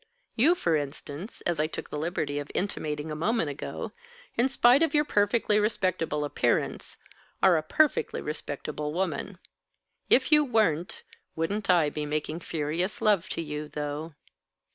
You, for instance, as I took the liberty of intimating a moment ago, in spite of your perfectly respectable appearance, are a perfectly respectable woman. If you weren't, wouldn't I be making furious love to you, though!"